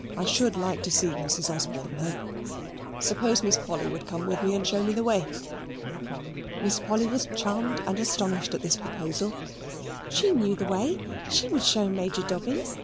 I should like to see Mrs. Osborne tho'. Suppose Miss Polly would come with me and show me the way?" Miss Polly was charmed and astonished at this proposal. She knew the way. She would show Major Dobbin.